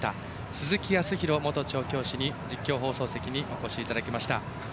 鈴木康弘元調教師に実況放送席にお越しいただきました。